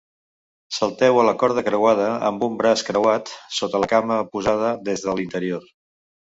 Salteu a la corda creuada amb un braç creuat sota la cama oposada des de l'interior.